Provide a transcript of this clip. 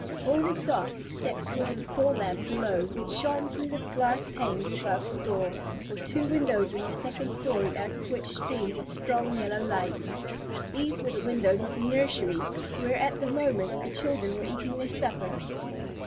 All was dark except for the hall lamp below, which shone through the glass panes above the door, and for two windows in the second story out of which streamed a strong yellow light. These were the windows of the nursery, where, at that moment, the children were eating their supper.